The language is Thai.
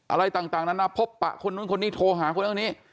อะไรต่างนานาพบปะคนนู้นคนนี้โทรหาคนคนนี้